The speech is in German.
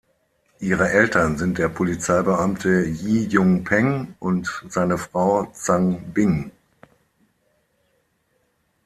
Ihre Eltern sind der Polizeibeamte "Ji Jun Peng" und seine Frau "Zhang Bing".